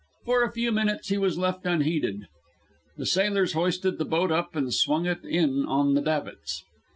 For a few minutes he was left unheeded. The sailors hoisted the boat up, and swung it in on the davits.